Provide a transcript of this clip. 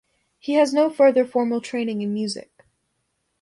He has no further formal training in music.